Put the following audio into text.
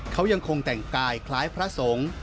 เขายังคงแต่งกายคล้ายพระสงฆ์